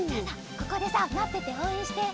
ここでさまってておうえんして。